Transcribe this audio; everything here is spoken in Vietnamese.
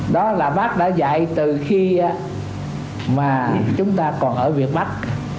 đó là bác đã dạy từ khi mà chúng ta còn ở việt bắc